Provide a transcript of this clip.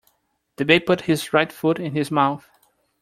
The baby puts his right foot in his mouth.